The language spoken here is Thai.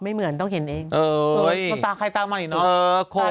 ไม่เหมือนต้องเห็นเองตาใครตามันอีกหนึ่ง